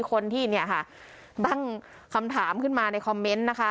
คนที่เนี่ยค่ะตั้งคำถามขึ้นมาในคอมเมนต์นะคะ